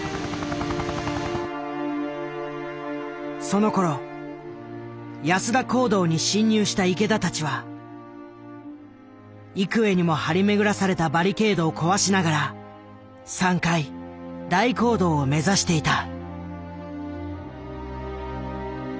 そのころ安田講堂に進入した池田たちは幾重にも張り巡らされたバリケードを壊しながら３階大講堂を目指していた。